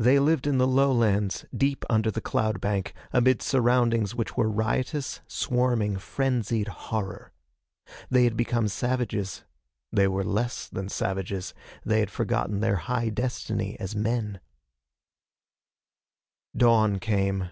They lived in the lowlands, deep under the cloud bank, amid surroundings which were riotous, swarming, frenzied horror. They had become savages. They were less than savages. They had forgotten their high destiny as men. Dawn came.